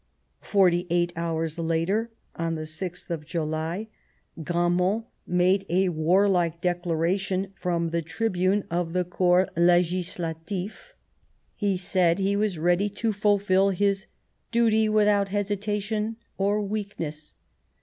Forty eight hours later, on the 6th of July, Gramont made a warlike declaration from the tribune of the Corps Legislatif ; he said he was ready to fulfil his " duty without hesitation or weakness."